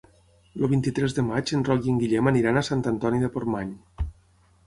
El vint-i-tres de maig en Roc i en Guillem aniran a Sant Antoni de Portmany.